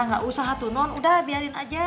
gak usah tuh non udah biarin aja